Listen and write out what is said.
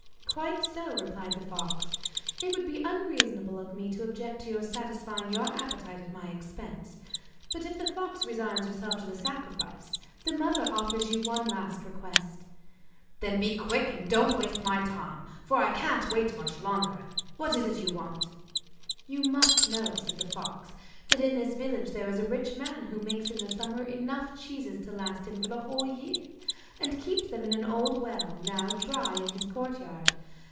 'Quite so,' replied the fox; 'it would be unreasonable of me to object to your satisfying your appetite at my expense. But if the fox resigns herself to the sacrifice, the mother offers you one last request.' 'Then be quick and don't waste my time, for I can't wait much longer. What is it you want?' 'You must know,' said the fox, 'that in this village there is a rich man who makes in the summer enough cheeses to last him for the whole year, and keeps them in an old well, now dry, in his courtyard.